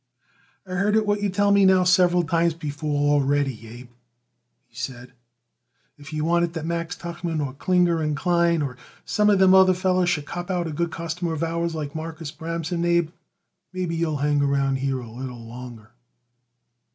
"I heard it what you tell me now several times before already, Abe," he said; "and if you want it that Max Tuchman or Klinger & Klein or some of them other fellers should cop out a good customer of ours like Marcus Bramson, Abe, maybe you'll hang around here a little longer."